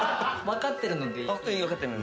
分かってるのでいい。